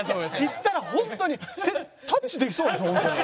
行ったらホントにタッチできそうでホントに。